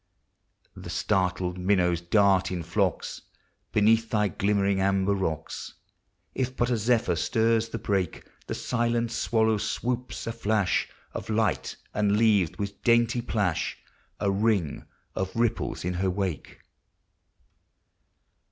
The startled minnows dart in flocks Beneath thy glimmering amber rocks, If but a zephyr stirs the brake; The silent swallow swoops, a flash Of light, and leaves, with dainty plash, A ring of ripples in her wake.